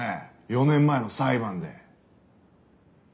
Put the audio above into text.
４年前の裁判で。